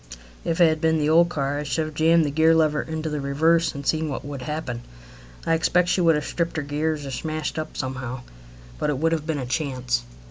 If it had been the old car I should have jammed the gear lever into the reverse, and seen what would happen. I expect she would have stripped her gears or smashed up somehow, but it would have been a chance.